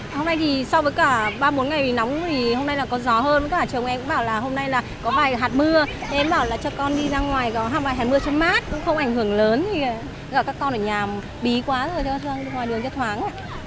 hôm nay thì so với cả ba bốn ngày nóng thì hôm nay là có gió hơn các bạn chồng em cũng bảo là hôm nay là có vài hạt mưa em bảo là cho con đi ra ngoài có vài hạt mưa cho mát cũng không ảnh hưởng lớn các con ở nhà bí quá rồi cho ra ngoài đường cho thoáng